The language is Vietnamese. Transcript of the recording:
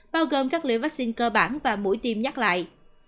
bao gồm các liều vaccine cơ bản và mũi tiêm nhắc lại